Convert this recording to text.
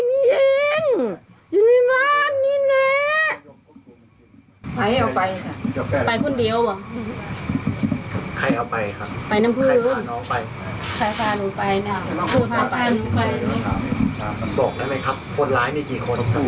เดี๋ยวไปทางแนวทีดู